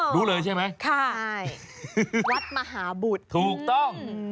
รู้เลยใช่ไหมค่ะใช่วัดมหาบุตรถูกต้อง